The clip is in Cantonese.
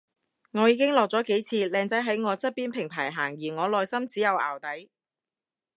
我已經落咗幾次，靚仔喺我側邊平排行而我內心只有淆底